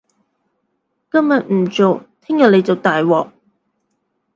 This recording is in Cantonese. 今日唔做，聽日你就大鑊